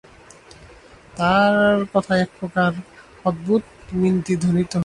তার কথায় একপ্রকার অদ্ভুত মিনতি ধ্বনিত হইতে থাকে।